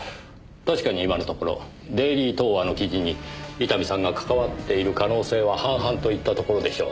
確かに今のところデイリー東和の記事に伊丹さんが関わっている可能性は半々といったところでしょう。